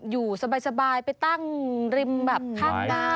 อยู่สบายไปตั้งริมทางบ้านทุกหน้าก่อนได้